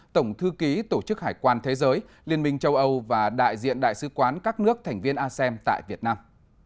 tổng thư ký tổ chức hải quan thế giới liên minh châu âu và đại diện đại sứ quán các nước thành viên asem tại việt nam